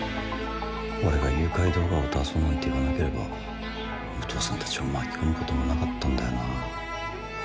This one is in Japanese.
俺が誘拐動画を出そうなんて言わなければ武藤さんたちを巻き込むこともなかったんだよな